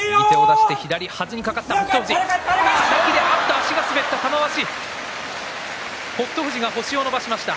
足が滑った、玉鷲北勝富士が星を伸ばしました。